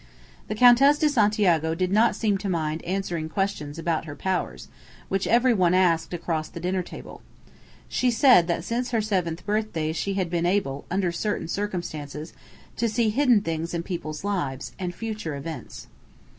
The Countess de Santiago did not seem to mind answering questions about her powers, which everyone asked across the dinner table. She said that since her seventh birthday she had been able, under certain circumstances, to see hidden things in people's lives, and future events.